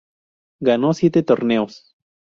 Ganó siete torneos.